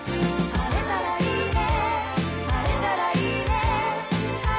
「晴れたらいいね」